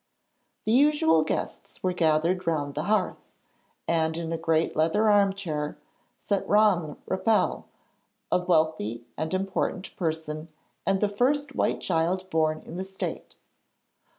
The usual guests were gathered round the hearth, and in a great leather armchair sat Ramm Rapelye, a wealthy and important person, and the first white child born in the State.